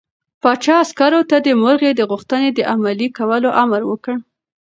پاچا عسکرو ته د مرغۍ د غوښتنې د عملي کولو امر وکړ.